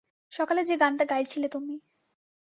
সকালে যে গানটা গাইছিলে তুমি।